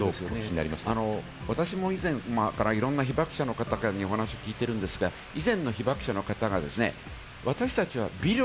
私も以前からいろんな被爆者の方にお話を聞いているんですが、以前の被爆者の方は、私達は微力